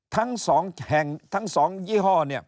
ทั้งสองยี่ห้อ